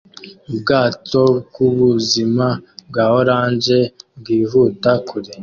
Ubwato bwubuzima bwa orange bwihuta kure